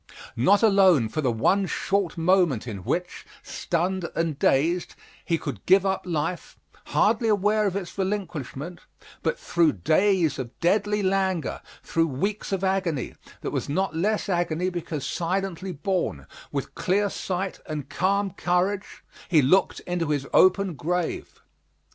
Not alone for the one short moment in which, stunned and dazed, he could give up life, hardly aware of its relinquishment, but through days of deadly languor, through weeks of agony, that was not less agony because silently borne, with clear sight and calm courage, he looked into his open grave.